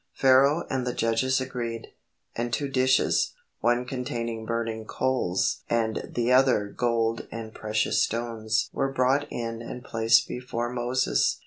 Pharaoh and the judges agreed, and two dishes, one containing burning coals and the other gold and precious stones were brought in and placed before Moses.